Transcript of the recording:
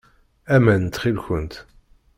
Aman, ttxil-kent.